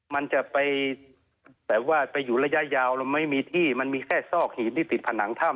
มันจะไปแต่ว่าไปอยู่ระยะยาวเราไม่มีที่มันมีแค่ซอกหินที่ติดผนังถ้ำ